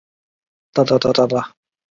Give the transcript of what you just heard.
香港城市大学讲座教授。